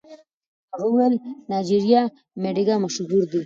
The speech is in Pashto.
هغه وویل د نایجیریا مډیګا مشهور دی.